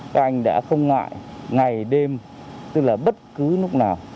các anh đã không ngại ngày đêm tức là bất cứ lúc nào